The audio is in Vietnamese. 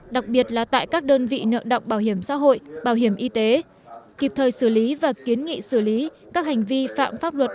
đặc biệt là tại các đơn vị nợ động bảo hiểm xã hội bảo hiểm y tế kịp thời xử lý và kiến nghị xử lý các hành vi phạm pháp luật